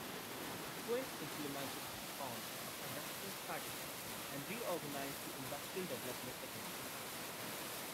Quinn implemented reform of industrial strategy and reorganised the industrial development agencies.